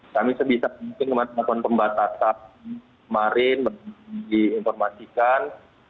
kami sebisa mungkin kemas kondisi pembatasan kemarin di informasikan